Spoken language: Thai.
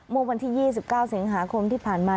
เมื่อวันที่๒๙สิงหาคมที่ผ่านมา